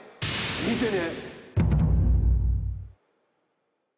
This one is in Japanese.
見てね！